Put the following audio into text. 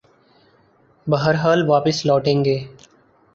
بہرحال واپس لوٹیں گے۔